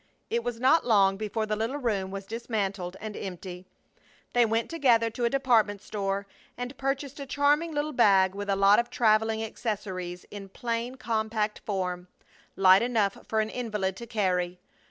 It was not long before the little room was dismantled and empty. They went together to a department store and purchased a charming little bag with a lot of traveling accessories in plain compact form, light enough for an invalid to carry.